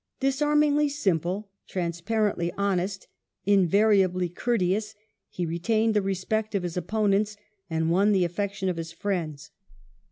Disarmingly simple, transparently honest, invariably courteous, he retained the respect of his opponents and won the affection of his friends.